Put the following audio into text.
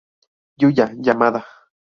Yuya Yamada